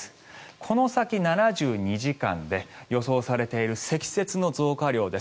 この先７２時間で予想されている積雪の増加量です。